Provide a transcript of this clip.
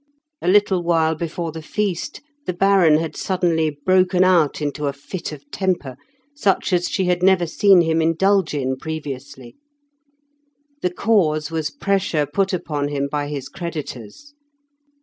A little while before the feast the Baron had suddenly broken out into a fit of temper, such as she had never seen him indulge in previously; the cause was pressure put upon him by his creditors.